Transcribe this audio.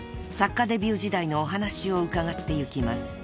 ［作家デビュー時代のお話を伺っていきます］